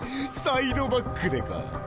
サイドバックでか？